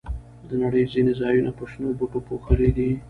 د نړۍ ځینې ځایونه په شنو بوټو پوښلي دي.